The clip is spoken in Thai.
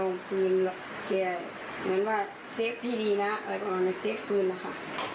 โอเคเหมือนว่าเซฟที่ดีนะเอาออกมาเซฟพื้นนะค่ะ